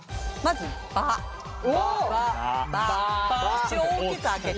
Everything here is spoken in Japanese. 口を大きく開けて。